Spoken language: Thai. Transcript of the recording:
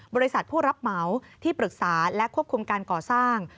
บริษัทผู้รับเหมาที่ปรึกษาและควบคุมการก่อสร้าง